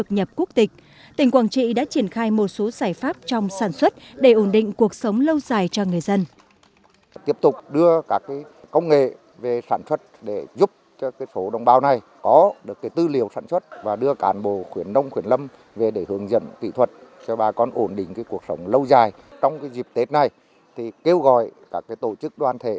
những người dân mới được nhập quốc tịch tỉnh quảng trị đã triển khai một số giải pháp trong sản xuất để ổn định cuộc sống lâu dài cho người dân